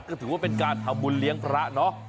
ก็ถือว่าเป็นการทำบุญเลี้ยงพระเนอะ